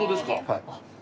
はい。